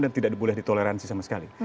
dan tidak boleh ditoleransi sama sekali